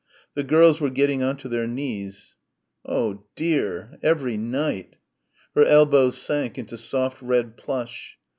The girls were getting on to their knees. Oh dear, every night. Her elbows sank into soft red plush.